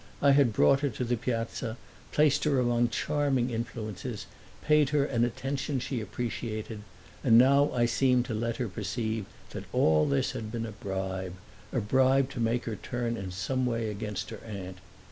I had brought her to the Piazza, placed her among charming influences, paid her an attention she appreciated, and now I seemed to let her perceive that all this had been a bribe a bribe to make her turn in some way against her aunt.